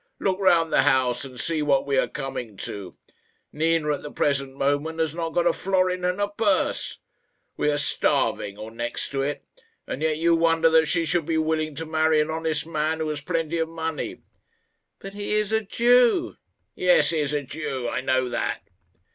Look round the house and see what we are coming to. Nina at the present moment has not got a florin in her purse. We are starving, or next to it, and yet you wonder that she should be willing to marry an honest man who has plenty of money." "But he is a Jew!" "Yes; he is a Jew. I know that."